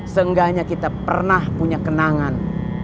seenggaknya kita pernah punya kenangan